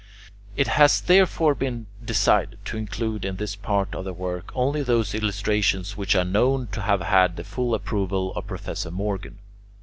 It has, therefore, been decided to include in this part of the work only those illustrations which are known to have had the full approval of Professor Morgan.